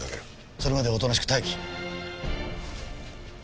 それまでおとなしく待機。